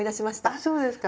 あそうですか。